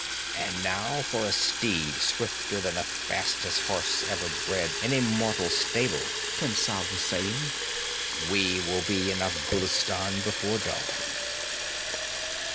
'And now for a steed swifter than the fastest horse ever bred in a mortal stable,' Khemsa was saying. 'We will be in Afghulistan before dawn.'